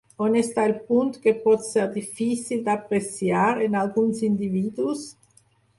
On està el punt que pot ser difícil d'apreciar en alguns individus?